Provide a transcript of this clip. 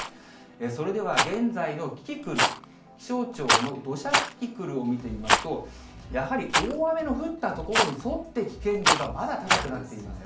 それでは現在のキキクル、気象庁の土砂キキクルを見てみますと、やはり大雨の降った所に沿って危険度がまだ高くなっています。